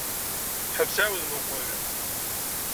Ḥbes ɛiwed muqel.